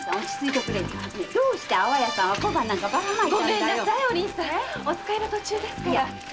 ごめんなさいお使いの途中ですから。